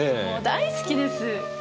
もう大好きです。